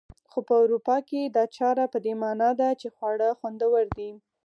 خو په اروپا کې دا چاره په دې مانا ده چې خواړه خوندور دي.